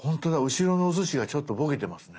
後ろのおすしがちょっとボケてますね。